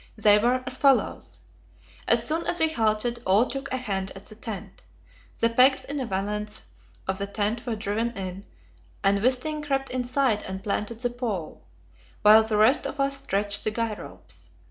They were as follows: as soon as we halted, all took a hand at the tent. The pegs in the valance of the tent were driven in, and Wisting crept inside and planted the pole, while the rest of us stretched the guy ropes.